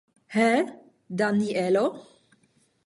He, Danielo!